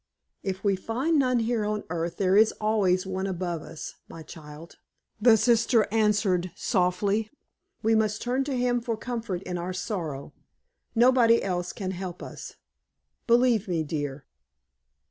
"If we find none here on earth, there is always One above us, my child," the sister answered, softly. "We must turn to Him for comfort in our sorrow. Nobody else can help us, believe me, dear."